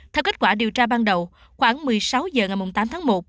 theo kết quả điều tra ban đầu khoảng một mươi sáu h ngày tám tháng một